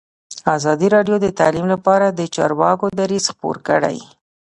ازادي راډیو د تعلیم لپاره د چارواکو دریځ خپور کړی.